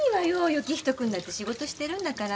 行人くんだって仕事してるんだから。